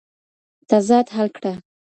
تضاد حل کړه.